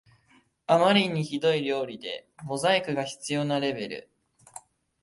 あまりにひどい料理でモザイクが必要なレベル